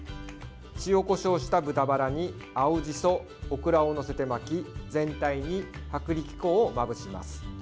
塩、こしょうした豚バラに青じそ、オクラを載せて巻き全体に薄力粉をまぶします。